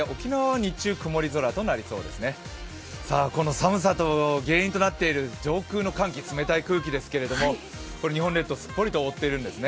寒さの原因となっている上空の寒気、冷たい空気ですけれども、日本列島をすっぽりと覆っているんですね。